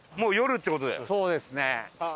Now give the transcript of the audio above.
そうですね。